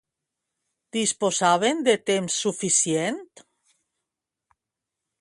Disposaven de temps suficient?